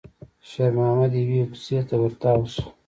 شېرمحمد يوې کوڅې ته ور تاو شو.